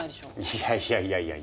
いやいやいやいやいや。